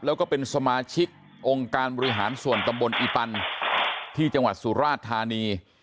แล้วก็เป็นสมาชิกองค์การบริหารส่วนตำบลอีปันที่จังหวัดสุราชธานี